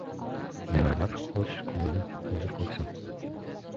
Nevaralar o‘z kunini o‘zi ko‘rsin!